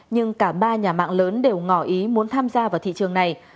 nhưng cả ba nhà mạng lớn đều ngỏ ý muốn tham gia vào thị trường này